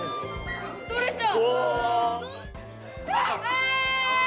取れた！